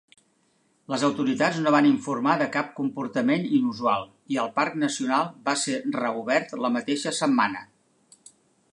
Les autoritats no van informar de cap comportament inusual i el parc nacional va ser reobert la mateixa setmana.